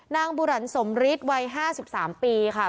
บุหรันสมฤทธิ์วัย๕๓ปีค่ะ